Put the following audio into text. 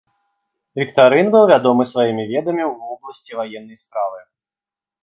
Віктарын быў вядомы сваімі ведамі ў вобласці ваеннай справы.